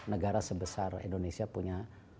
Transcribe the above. negara sebesar indonesia punya